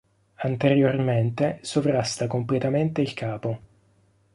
Anteriormente sovrasta completamente il capo.